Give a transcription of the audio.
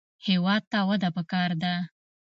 هېواد ته وده پکار ده